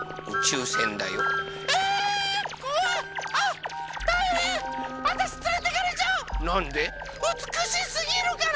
うつくしすぎるから。